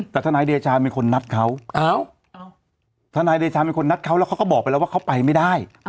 แต่ทนายเดชาเป็นคนนัดเขาทนายเดชาเป็นคนนัดเขาแล้วเขาก็บอกไปแล้วว่าเขาไปไม่ได้